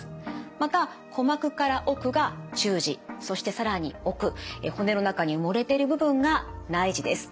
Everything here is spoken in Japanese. また鼓膜から奥が中耳そして更に奥骨の中に埋もれている部分が内耳です。